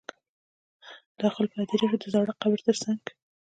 داخل په هدیره شو د زاړه قبر تر څنګ.